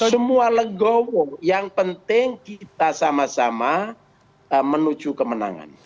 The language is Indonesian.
semua legowo yang penting kita sama sama menuju kemenangan